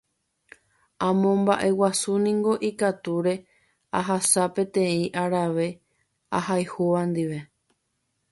amomba'eguasúniko ikatúre ahasa peteĩ arave ahayhúva ndive